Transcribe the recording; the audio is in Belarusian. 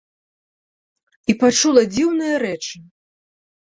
І пачула дзіўныя рэчы.